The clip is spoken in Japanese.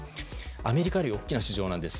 アメリカより大きな市場です。